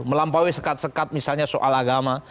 melampaui sekat sekat misalnya soal agama